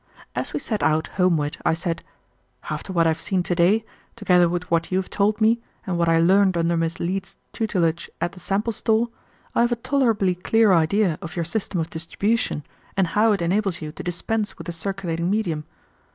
As we set out homeward, I said: "After what I have seen to day, together with what you have told me, and what I learned under Miss Leete's tutelage at the sample store, I have a tolerably clear idea of your system of distribution, and how it enables you to dispense with a circulating medium.